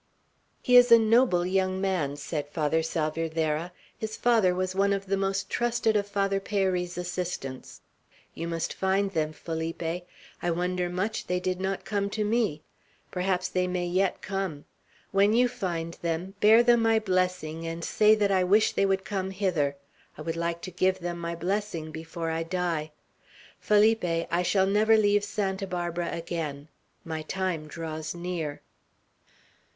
"He is a noble young man," said Father Salvierderra. "His father was one of the most trusted of Father Peyri's assistants. You must find them, Felipe. I wonder much they did not come to me. Perhaps they may yet come. When you find them, bear them my blessing, and say that I wish they would come hither. I would like to give them my blessing before I die. Felipe, I shall never leave Santa Barbara again. My time draws near."